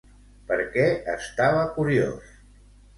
Per què estava curiós?